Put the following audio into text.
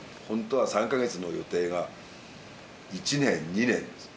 ほんとは３か月の予定が１年２年。